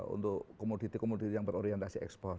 untuk komoditi komoditi yang berorientasi ekspor